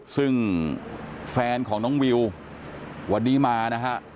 ซึ่งแฟนของน้องวิววันนี้มานะฮะ